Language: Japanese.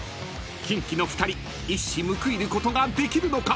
［キンキの２人一矢報いることができるのか？］